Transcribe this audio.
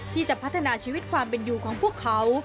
ที่จะพัฒนาชีวิตความเป็นอยู่ของพวกเขา